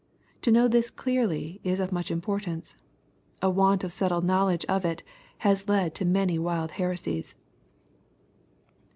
To know this clearly is of much importance. A want of settled knowledge of it has led to many wild heresies.